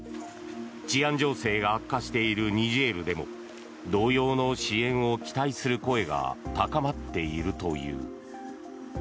治安情勢が悪化しているニジェールでも同様の支援を期待する声が高まっているという。